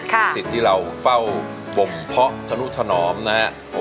ลูกศิษย์ที่เราเฝ้าบ่มเพาะธนุถนอมนะครับ